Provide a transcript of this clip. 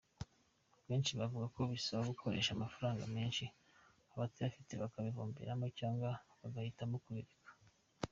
Benshi bavuga ko bibasaba gukoresha amafaranga menshi abatayafite bakabihomberamo cyangwa bagahitamo kubireka.